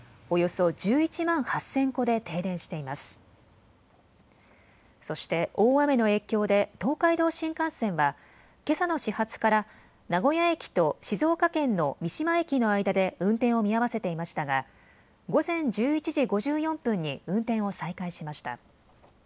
そして大雨の影響で東海道新幹線は、けさの始発から名古屋駅と静岡県の三島駅の間で運転を見合わせていましたが午前１１時５４分に運転を再開しました。